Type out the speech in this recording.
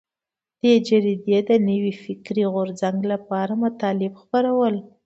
دې جریدې د نوي فکري غورځنګ لپاره مطالب خپرول.